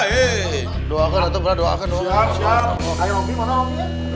ikut atuh bang